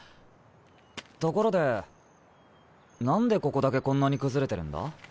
ところで何でここだけこんなに崩れてるんだ？